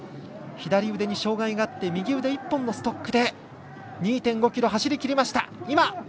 左腕に障がいがあって右腕１本のストックで２．５ｋｍ走りきりました。